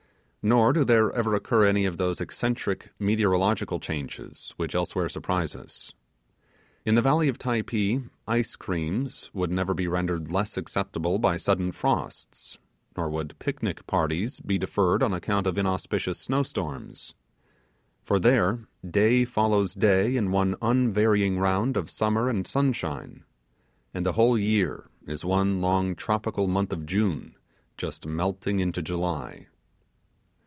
Nor do there even occur any of those eccentric meteorological changes which elsewhere surprise us. In the valley of Typee ice creams would never be rendered less acceptable by sudden frosts, nor would picnic parties be deferred on account of inauspicious snowstorms: for there day follows day in one unvarying round of summer and sunshine, and the whole year is one long tropical month of June just melting into July.